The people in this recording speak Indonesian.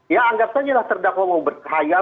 ya anggap saja lah terdakwa mau berkhayal